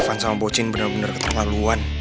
van sama bocin bener bener keterlaluan